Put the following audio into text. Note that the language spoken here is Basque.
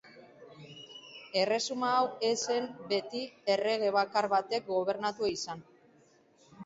Erresuma hau ez zen beti errege bakar batek gobernatua izan.